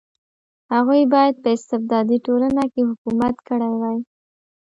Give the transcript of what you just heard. هغوی باید په استبدادي ټولنه کې حکومت کړی وای.